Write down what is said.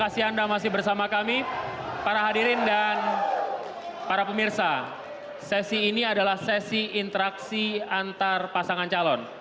sesi ini adalah sesi interaksi antar pasangan calon